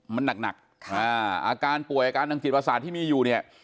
มันหนักอาการป่วยอาการทางจิตประสาทที่มีอยู่เนี่ย